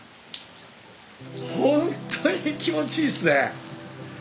ホントに気持ちいいっすね。